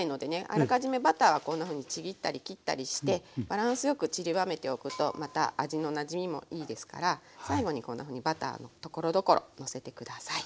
あらかじめバターはこんなふうにちぎったり切ったりしてバランスよくちりばめておくとまた味のなじみもいいですから最後にこんなふうにバターところどころのせて下さい。